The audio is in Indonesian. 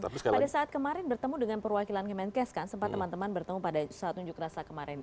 pada saat kemarin bertemu dengan perwakilan kemenkes kan sempat teman teman bertemu pada saat unjuk rasa kemarin